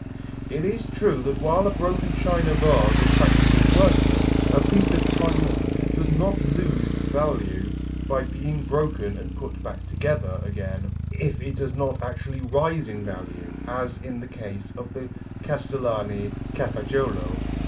It is true that while a broken china vase is practically worthless, a piece of faience does not lose value by being broken and put together again, if it does not actually rise in value, as in the case of the Castellani Cafaggiolo.